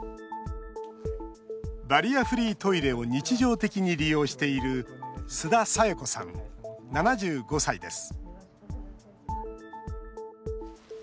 バリアフリートイレを日常的に利用している須田紗代子さん、７５歳です